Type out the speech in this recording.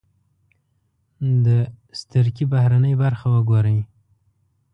د سترکې بهرنۍ برخه و ګورئ.